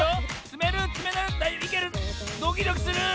ドキドキする！